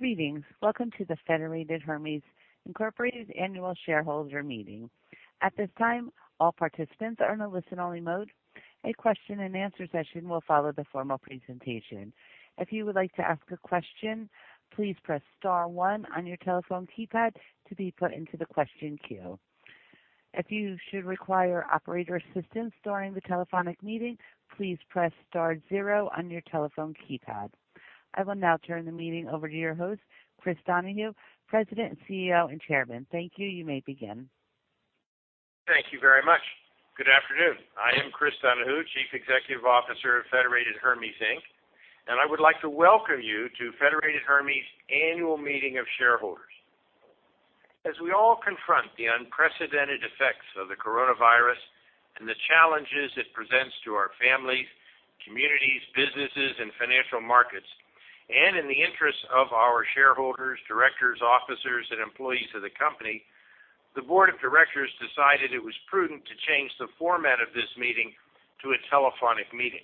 Greetings. Welcome to the Federated Hermes, Inc. Annual Shareholder Meeting. At this time, all participants are in a listen-only mode. A question and answer session will follow the formal presentation. If you would like to ask a question, please press star one on your telephone keypad to be put into the question queue. If you should require operator assistance during the telephonic meeting, please press star zero on your telephone keypad. I will now turn the meeting over to your host, Chris Donahue, President, CEO, and Chairman. Thank you. You may begin. Thank you very much. Good afternoon. I am Chris Donahue, Chief Executive Officer of Federated Hermes, Inc. I would like to welcome you to Federated Hermes' Annual Meeting of Shareholders. As we all confront the unprecedented effects of the coronavirus and the challenges it presents to our families, communities, businesses, and financial markets, in the interest of our shareholders, directors, officers, and employees of the company, the board of directors decided it was prudent to change the format of this meeting to a telephonic meeting.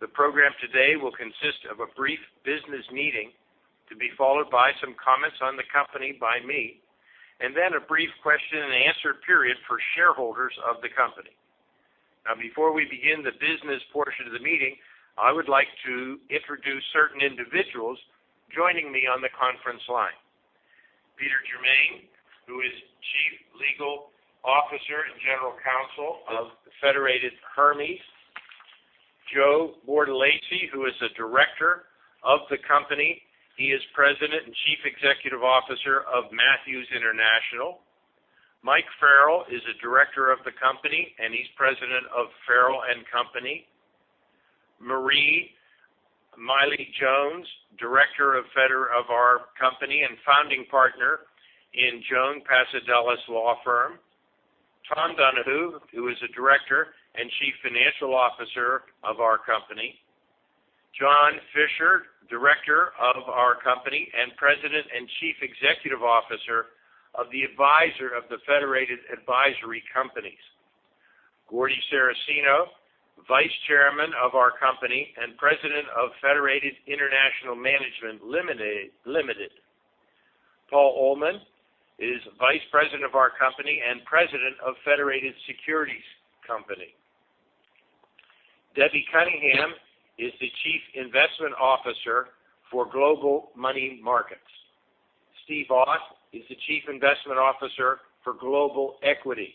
The program today will consist of a brief business meeting to be followed by some comments on the company by me, and then a brief question and answer period for shareholders of the company. Now, before we begin the business portion of the meeting, I would like to introduce certain individuals joining me on the conference line. Peter Germain, who is Chief Legal Officer and General Counsel of Federated Hermes. Joe Bartolacci, who is a Director of the company. He is President and Chief Executive Officer of Matthews International. Mike Farrell is a Director of the company, and he's President of Farrell & Company. Marie Milie Jones, Director of our company and founding partner in JonesPassodelis, PLLC. Tom Donahue, who is a Director and Chief Financial Officer of our company. John Fisher, Director of our company, and President and Chief Executive Officer of the advisor of the Federated Advisory Companies. Gordy Ceresino, Vice Chairman of our company and President of Federated International Management Limited. Paul A. Uhlman is Vice President of our company and President of Federated Securities Corp. Debbie Cunningham is the Chief Investment Officer for Global Money Markets. Stephen Auth is the Chief Investment Officer for Global Equity.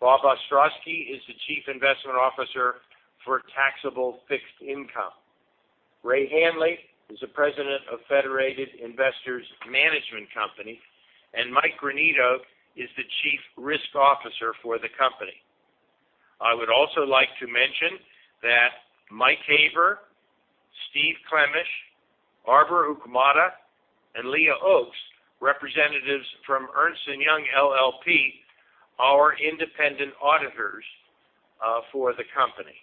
Bob Ostry is the Chief Investment Officer for Taxable Fixed Income. Ray Hanley is the President of Federated Investment Management Company. Mike Granito is the Chief Risk Officer for the company. I would also like to mention that Mike Haber, Steve Klemash, Barbara Ukmata, and Leah Oaks, representatives from Ernst & Young LLP, are independent auditors for the company.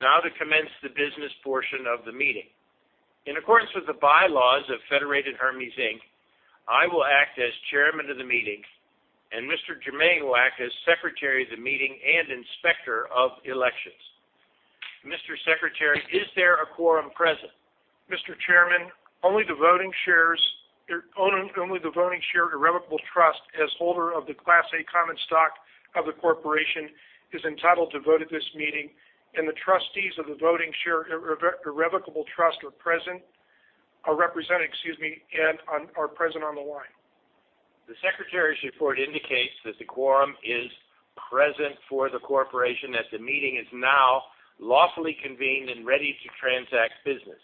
Now to commence the business portion of the meeting. In accordance with the bylaws of Federated Hermes, Inc., I will act as chairman of the meeting, and Mr. Germain will act as secretary of the meeting and inspector of elections. Mr. Secretary, is there a quorum present? Mr. Chairman, only the Voting Shares Irrevocable Trust as holder of the Class A Common Stock of the corporation is entitled to vote at this meeting, and the trustees of the Voting Shares Irrevocable Trust are representing, excuse me, and are present on the line. The secretary's report indicates that the quorum is present for the corporation, that the meeting is now lawfully convened and ready to transact business.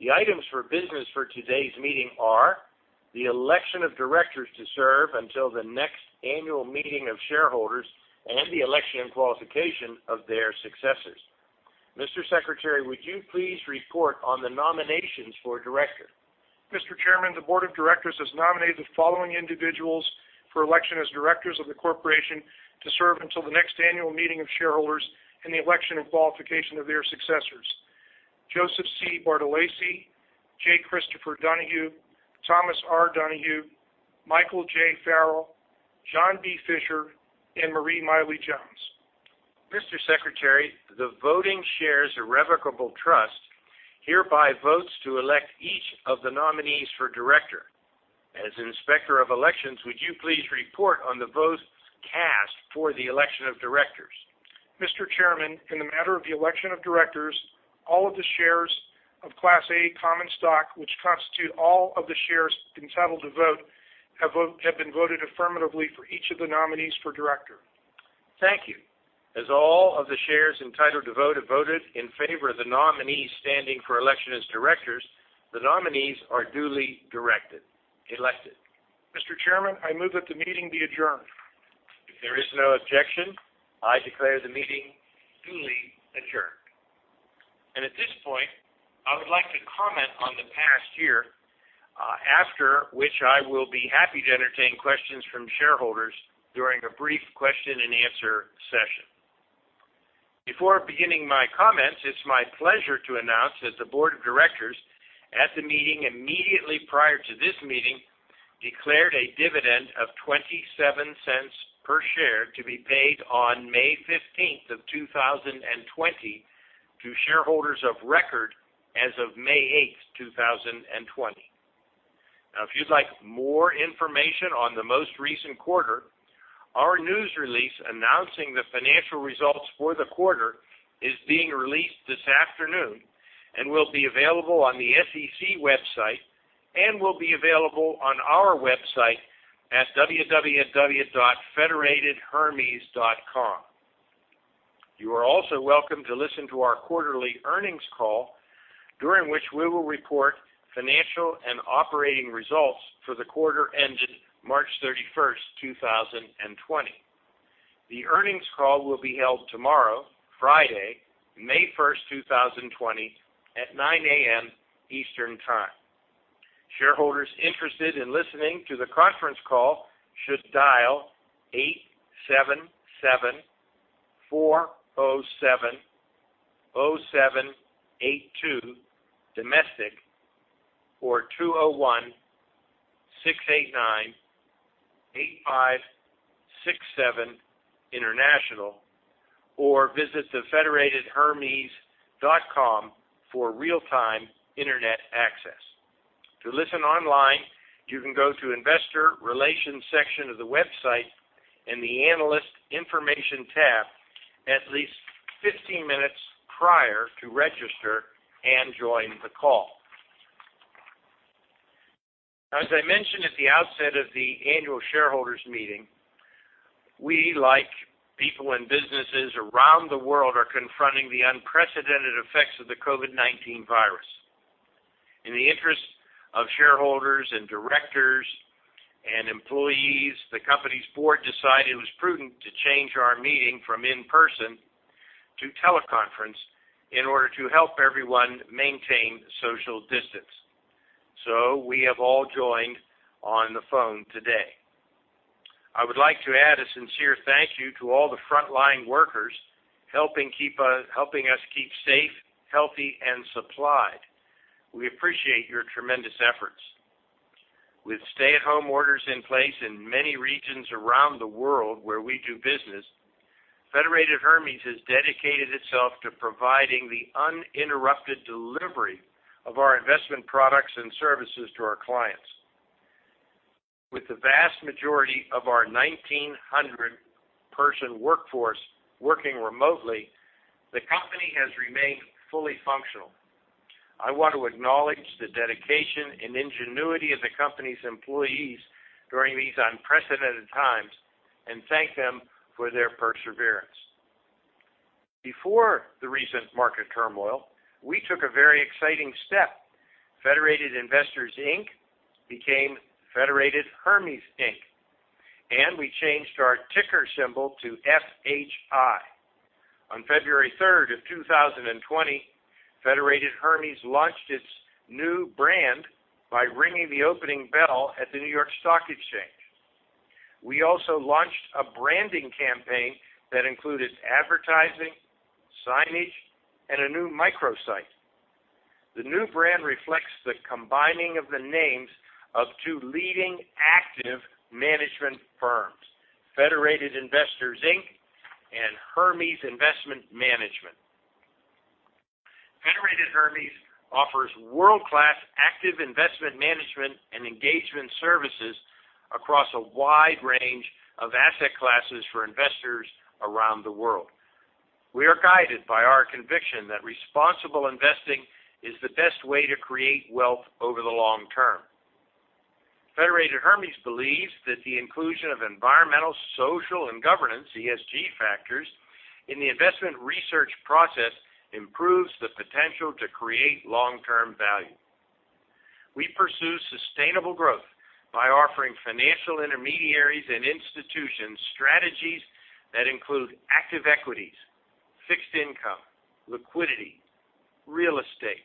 The items for business for today's meeting are the election of directors to serve until the next annual meeting of shareholders and the election and qualification of their successors. Mr. Secretary, would you please report on the nominations for director? Mr. Chairman, the board of directors has nominated the following individuals for election as directors of the corporation to serve until the next annual meeting of shareholders and the election and qualification of their successors. Joseph C. Bartolacci, J. Christopher Donahue, Thomas R. Donahue, Michael J. Farrell, John B. Fisher, and Marie Milie Jones. Mr. Secretary, the Voting Shares Irrevocable Trust hereby votes to elect each of the nominees for director. As Inspector of Elections, would you please report on the votes cast for the election of directors? Mr. Chairman, in the matter of the election of directors, all of the shares of Class A Common Stock, which constitute all of the shares entitled to vote, have been voted affirmatively for each of the nominees for director. Thank you. As all of the shares entitled to vote have voted in favor of the nominees standing for election as directors, the nominees are duly elected. Mr. Chairman, I move that the meeting be adjourned. If there is no objection, I declare the meeting duly adjourned. At this point, I would like to comment on the past year, after which I will be happy to entertain questions from shareholders during a brief question and answer session. Before beginning my comments, it's my pleasure to announce that the board of directors at the meeting immediately prior to this meeting declared a dividend of $0.27 per share to be paid on May 15, 2020 to shareholders of record as of May 8, 2020. Now, if you'd like more information on the most recent quarter, our news release announcing the financial results for the quarter is being released this afternoon and will be available on the SEC website and will be available on our website at www.federatedhermes.com. You are also welcome to listen to our quarterly earnings call, during which we will report financial and operating results for the quarter ended March 31st, 2020. The earnings call will be held tomorrow, Friday, May 1st, 2020, at 9:00 A.M. Eastern Time. Shareholders interested in listening to the conference call should dial 877-407-0782 domestic or 201-689-8567 international, or visit federatedhermes.com for real-time internet access. To listen online, you can go to investor relations section of the website and the analyst information tab at least 15 minutes prior to register and join the call. As I mentioned at the outset of the annual shareholders meeting, we, like people and businesses around the world, are confronting the unprecedented effects of the COVID-19 virus. In the interest of shareholders and directors and employees, the company's board decided it was prudent to change our meeting from in-person to teleconference in order to help everyone maintain social distance. We have all joined on the phone today. I would like to add a sincere thank you to all the frontline workers helping us keep safe, healthy, and supplied. We appreciate your tremendous efforts. With stay-at-home orders in place in many regions around the world where we do business, Federated Hermes has dedicated itself to providing the uninterrupted delivery of our investment products and services to our clients. With the vast majority of our 1,900-person workforce working remotely, the company has remained fully functional. I want to acknowledge the dedication and ingenuity of the company's employees during these unprecedented times, and thank them for their perseverance. Before the recent market turmoil, we took a very exciting step. Federated Investors, Inc. became Federated Hermes, Inc., and we changed our ticker symbol to FHI. On February 3rd of 2020, Federated Hermes launched its new brand by ringing the opening bell at the New York Stock Exchange. We also launched a branding campaign that included advertising, signage, and a new microsite. The new brand reflects the combining of the names of two leading active management firms, Federated Investors, Inc. and Hermes Investment Management. Federated Hermes offers world-class active investment management and engagement services across a wide range of asset classes for investors around the world. We are guided by our conviction that responsible investing is the best way to create wealth over the long term. Federated Hermes believes that the inclusion of environmental, social, and governance, ESG factors, in the investment research process improves the potential to create long-term value. We pursue sustainable growth by offering financial intermediaries and institutions strategies that include active equities, fixed income, liquidity, real estate,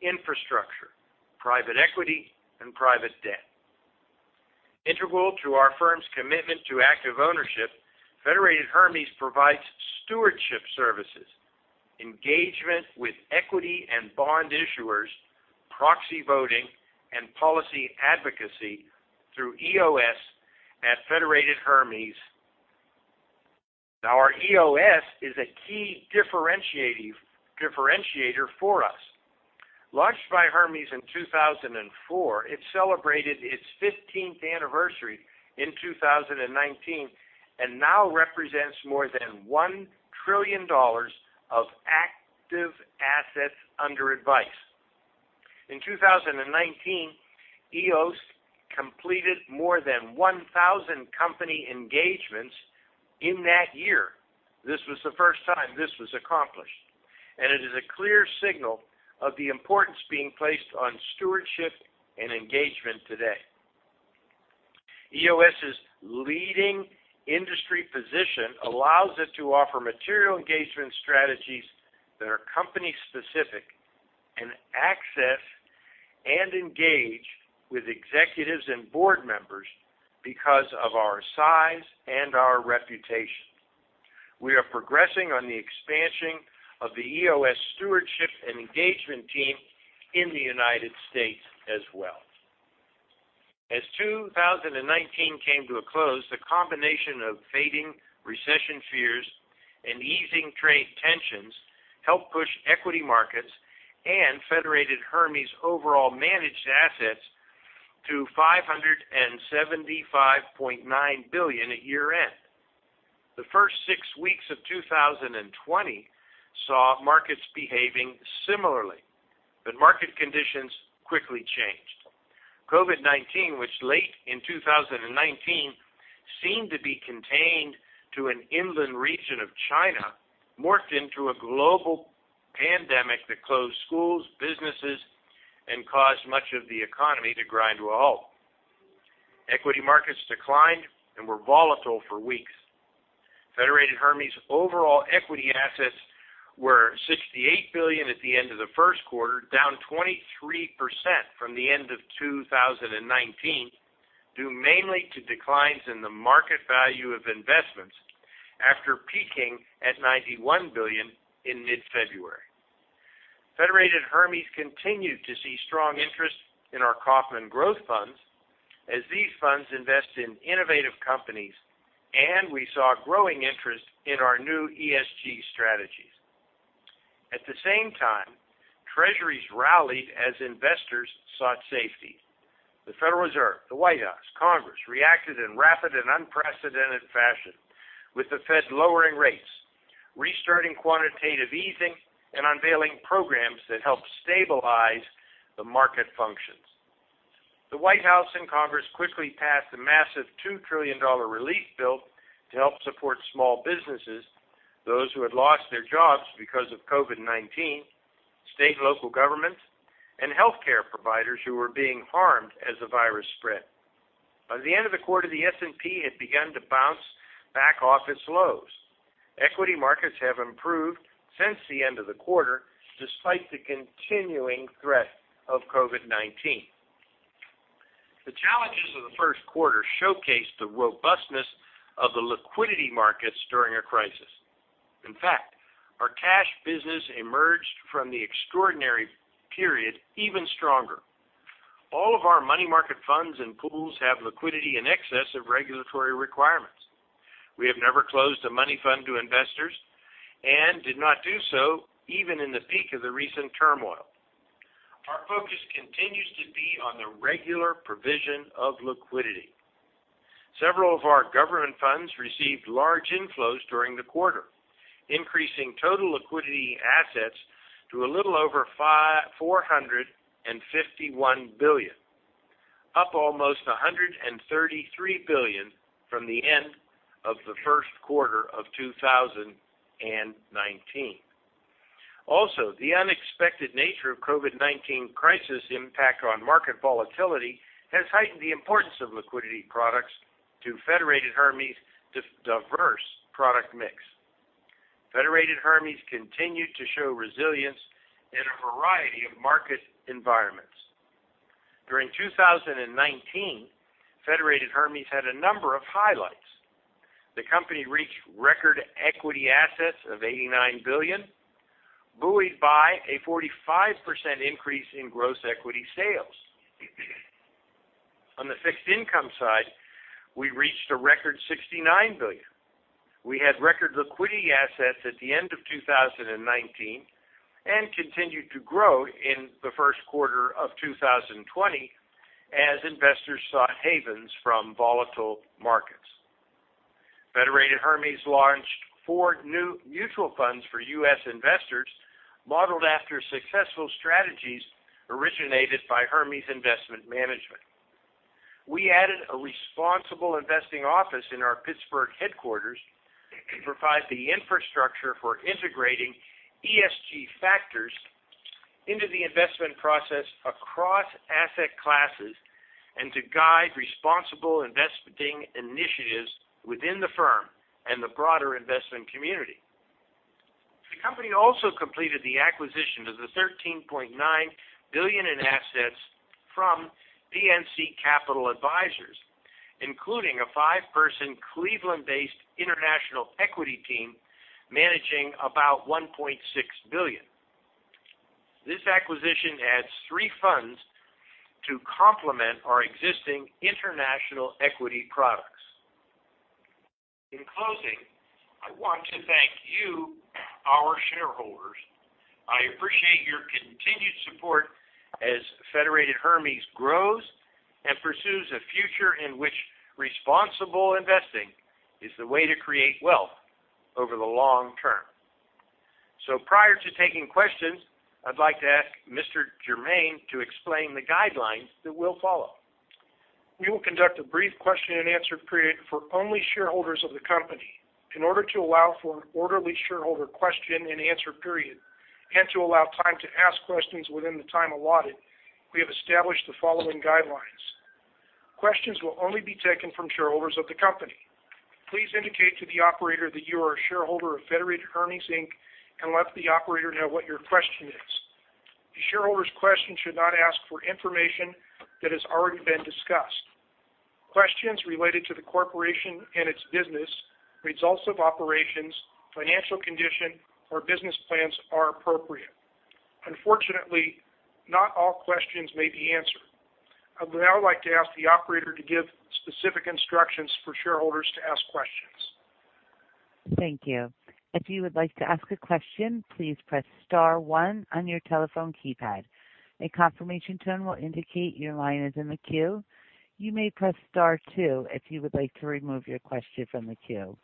infrastructure, private equity, and private debt. Integral to our firm's commitment to active ownership, Federated Hermes provides stewardship services, engagement with equity and bond issuers, proxy voting, and policy advocacy through EOS at Federated Hermes. Our EOS is a key differentiator for us. Launched by Hermes in 2004, it celebrated its 15th anniversary in 2019 and now represents more than $1 trillion of active assets under advice. In 2019, EOS completed more than 1,000 company engagements in that year. This was the first time this was accomplished, and it is a clear signal of the importance being placed on stewardship and engagement today. EOS' leading industry position allows it to offer material engagement strategies that are company-specific and access and engage with executives and board members because of our size and our reputation. We are progressing on the expansion of the EOS stewardship and engagement team in the United States as well. As 2019 came to a close, the combination of fading recession fears and easing trade tensions helped push equity markets and Federated Hermes' overall managed assets to $575.9 billion at year-end. The first six weeks of 2020 saw markets behaving similarly, but market conditions quickly changed. COVID-19, which late in 2019 seemed to be contained to an inland region of China, morphed into a global pandemic that closed schools, businesses, and caused much of the economy to grind to a halt. Equity markets declined and were volatile for weeks. Federated Hermes' overall equity assets were $68 billion at the end of the first quarter, down 23% from the end of 2019, due mainly to declines in the market value of investments, after peaking at $91 billion in mid-February. Federated Hermes continued to see strong interest in our Kaufmann Growth Funds as these funds invest in innovative companies, and we saw growing interest in our new ESG strategies. At the same time, Treasuries rallied as investors sought safety. The Federal Reserve, the White House, Congress reacted in rapid and unprecedented fashion, with the Fed lowering rates, restarting quantitative easing, and unveiling programs that helped stabilize the market functions. The White House and Congress quickly passed a massive $2 trillion relief bill to help support small businesses, those who had lost their jobs because of COVID-19, state and local government, and healthcare providers who were being harmed as the virus spread. By the end of the quarter, the S&P had begun to bounce back off its lows. Equity markets have improved since the end of the quarter, despite the continuing threat of COVID-19. The challenges of the first quarter showcased the robustness of the liquidity markets during a crisis. In fact, our cash business emerged from the extraordinary period even stronger. All of our money market funds and pools have liquidity in excess of regulatory requirements. We have never closed a money fund to investors and did not do so even in the peak of the recent turmoil. Our focus continues to be on the regular provision of liquidity. Several of our government funds received large inflows during the quarter, increasing total liquidity assets to a little over $451 billion, up almost $133 billion from the end of the first quarter of 2019. The unexpected nature of COVID-19 crisis impact on market volatility has heightened the importance of liquidity products to Federated Hermes' diverse product mix. Federated Hermes continued to show resilience in a variety of market environments. During 2019, Federated Hermes had a number of highlights. The company reached record equity assets of $89 billion, buoyed by a 45% increase in gross equity sales. On the fixed income side, we reached a record $69 billion. We had record liquidity assets at the end of 2019 and continued to grow in the first quarter of 2020 as investors sought havens from volatile markets. Federated Hermes launched four new mutual funds for U.S. investors, modeled after successful strategies originated by Hermes Investment Management. We added a responsible investing office in our Pittsburgh headquarters to provide the infrastructure for integrating ESG factors into the investment process across asset classes and to guide responsible investing initiatives within the firm and the broader investment community. The company also completed the acquisition of the $13.9 billion in assets from PNC Capital Advisors, including a five-person Cleveland-based international equity team managing about $1.6 billion. This acquisition adds three funds to complement our existing international equity products. In closing, I want to thank you, our shareholders. I appreciate your continued support as Federated Hermes grows and pursues a future in which responsible investing is the way to create wealth over the long term. Prior to taking questions, I'd like to ask Mr. Germain to explain the guidelines that we'll follow. We will conduct a brief question and answer period for only shareholders of the company. In order to allow for an orderly shareholder question and answer period, and to allow time to ask questions within the time allotted, we have established the following guidelines. Questions will only be taken from shareholders of the company. Please indicate to the operator that you are a shareholder of Federated Hermes, Inc. and let the operator know what your question is. The shareholder's question should not ask for information that has already been discussed. Questions related to the corporation and its business, results of operations, financial condition, or business plans are appropriate. Unfortunately, not all questions may be answered. I would now like to ask the operator to give specific instructions for shareholders to ask questions. Thank you. If you would like to ask a question, please press star one on your telephone keypad. A confirmation tone will indicate your line is in the queue. You may press star two if you would like to remove your question from the queue.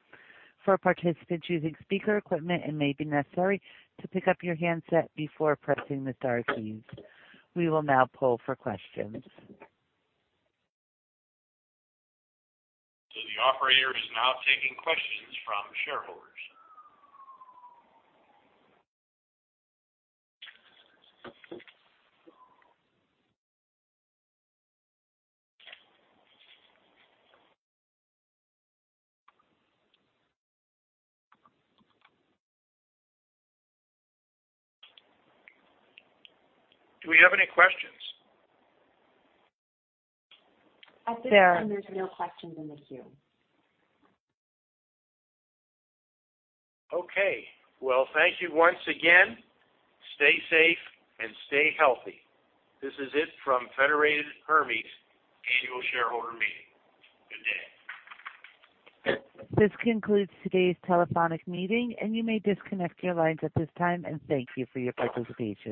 For participants using speaker equipment, it may be necessary to pick up your handset before pressing the star keys. We will now poll for questions. The operator is now taking questions from shareholders. Do we have any questions? At this time there's no questions in the queue. Well, thank you once again. Stay safe and stay healthy. This is it from Federated Hermes annual shareholder meeting. Good day. This concludes today's telephonic meeting. You may disconnect your lines at this time, and thank you for your participation.